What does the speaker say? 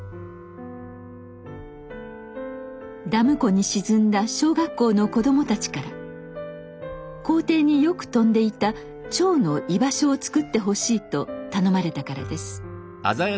ダム湖に沈んだ小学校の子供たちから校庭によく飛んでいた蝶の居場所を作ってほしいと頼まれたからです。